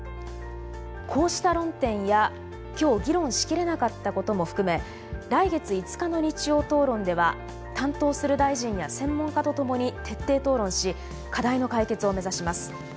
こうした論点や今日議論しきれなかったことも含め来月５日の「日曜討論」では担当する大臣や専門家と共に徹底討論し課題の解決を目指します。